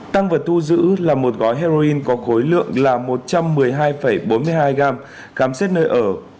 tăng vật thu giữ là một gói heroin có khối lượng là một trăm một mươi hai bốn mươi hai g khám xét nơi ở